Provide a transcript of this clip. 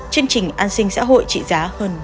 chương trình an sinh xã hội trị giá hơn ba tỷ đồng